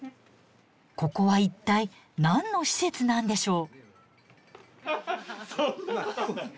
ここは一体何の施設なんでしょう。